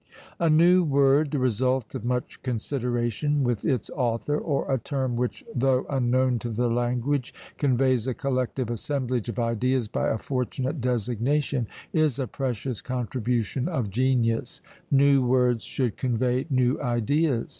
A new word, the result of much consideration with its author, or a term which, though unknown to the language, conveys a collective assemblage of ideas by a fortunate designation, is a precious contribution of genius; new words should convey new ideas.